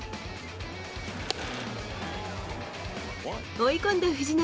追い込んだ藤浪。